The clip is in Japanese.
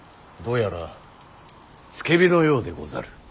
どうやら付け火のようでござる。